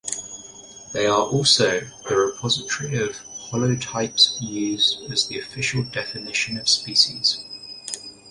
They are also the repository of holotypes used as the official definition of species.